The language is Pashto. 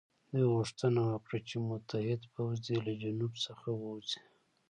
دوی غوښتنه وکړه چې متحد پوځ دې له جنوب څخه ووځي.